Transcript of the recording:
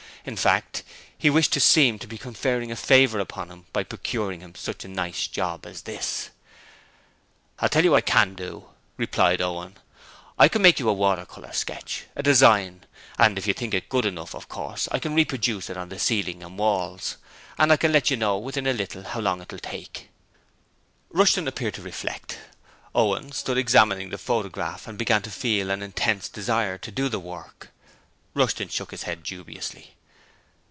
In fact, he wished to seem to be conferring a favour upon him by procuring him such a nice job as this. 'I'll tell you what I CAN do,' Owen replied. 'I can make you a watercolour sketch a design and if you think it good enough, of course, I can reproduce it on the ceiling and the walls, and I can let you know, within a little, how long it will take.' Rushton appeared to reflect. Owen stood examining the photograph and began to feel an intense desire to do the work. Rushton shook his head dubiously.